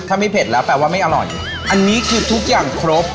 ถ้าไม่เผ็ดแล้วแปลว่าไม่อร่อยอันนี้คือทุกอย่างครบ